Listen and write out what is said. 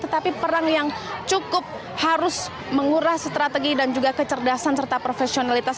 tetapi perang yang cukup harus menguras strategi dan juga kecerdasan serta profesionalitas